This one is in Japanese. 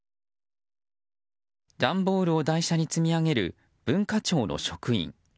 段ボールを台車に積み上げる文化庁の職員。